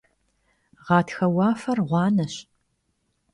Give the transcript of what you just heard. Ğatxe vuafer ğuaneş.